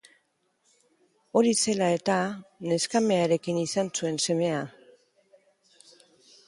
Hori zela eta neskamearekin izan zuen semea.